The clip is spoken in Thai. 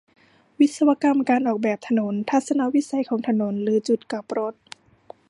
วิศวกรรมการออกแบบถนน ทัศนวิสัยของถนน หรือจุดกลับรถ